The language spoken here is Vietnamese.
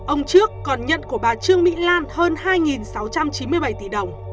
ông trước còn nhận của bà trương mỹ lan hơn hai sáu trăm chín mươi bảy tỷ đồng